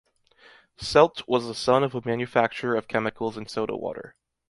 Seldte was the son of a manufacturer of chemicals and soda water.